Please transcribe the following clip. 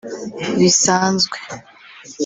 bisanzwe